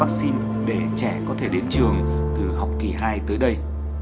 hồ chí minh cũng có đề nghị tìm nguồn vắc xin để trẻ có thể đến trường từ học kỳ hai tới đây